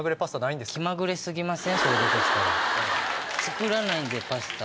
作らないんでパスタ。